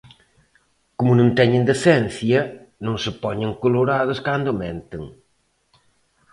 Como non teñen decencia, non se poñen colorados cando menten.